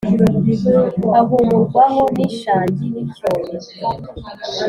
Ahumurwaho n’ishangi n’icyome